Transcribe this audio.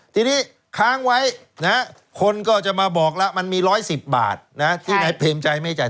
ทีนี้ค้างไว้คนก็จะมาบอกแล้วมันมี๑๑๐บาทที่นายเปรมชัยไม่จ่าย